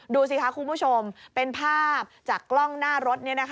ดูสิคะคุณผู้ชมเป็นภาพจากกล้องหน้ารถ